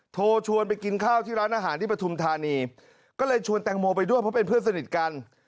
โทรชวนไปกินข้าวที่ร้านอาหารที่ปฐุมธานีก็เลยชวนแตงโมไปด้วยเพราะเป็นเพื่อนสนิทกัน